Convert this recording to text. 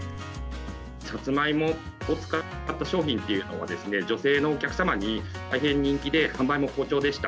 サツマイモを使った商品というのは、女性のお客様に大変人気で、販売も好調でした。